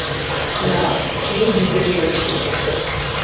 না, শুধু জিজ্ঞেস করছি।